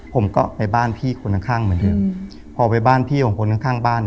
ผมก็ไปบ้านพี่คนข้างข้างเหมือนเดิมพอไปบ้านพี่ของคนข้างข้างบ้าน